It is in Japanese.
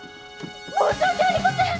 申し訳ありません！